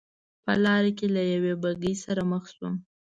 په لار کې له یوې بګۍ سره مخ شوم.